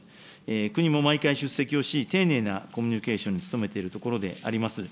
国も毎回出席をし、丁寧なコミュニケーションに努めているところであります。